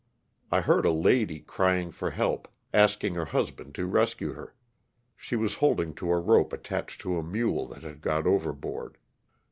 I heard a lady crying for help, asking her husband to rescue her. She was holding to a rope attached to a mule that had got overboard.